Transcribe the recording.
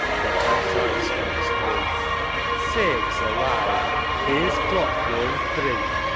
{Clock outside strikes three) Sakes alive, theer's clock goin' three.